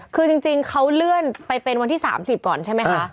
คือจริงเขาเลื่อนไปเป็นวันที่๓๐ก่อนใช่ไหมคะ